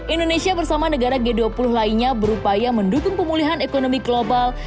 indonesia bersama negara g dua puluh lainnya berupaya mendukung pemulihan ekonomi global